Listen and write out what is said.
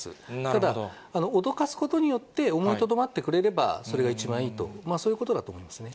ただ、脅かすことによって、思いとどまってくれれば、それが一番いいと、そういうことだと思いますね。